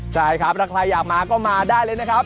ใช่ครับถ้าใครอยากมาก็มาได้เลยนะครับ